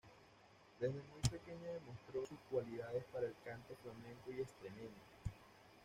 Desde muy pequeña demostró sus cualidades para el cante flamenco y extremeño.